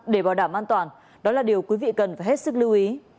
để bảo đảm an toàn đó là điều quý vị cần phải hết sức lưu ý